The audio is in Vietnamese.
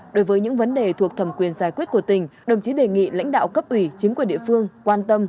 đối với những vấn đề thuộc thẩm quyền giải quyết của tỉnh đồng chí đề nghị lãnh đạo cấp ủy chính quyền địa phương quan tâm